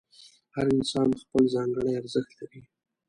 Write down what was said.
هر انسان خپل ځانګړی ارزښت لري.